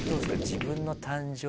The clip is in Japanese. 自分の誕生日会。